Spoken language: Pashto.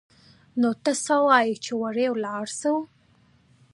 نو ته څه وايي چې هورې ولاړ سو.